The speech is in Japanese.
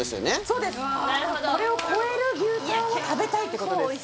そうですこれを超える牛タンを食べたいってことです